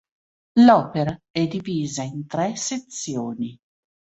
L'opera è divisa in tre sezioni.